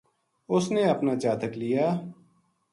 اس نے اپنا جاتک لیا